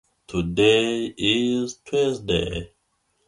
Cats have over one hundred vocal sounds, whereas dogs only have about ten.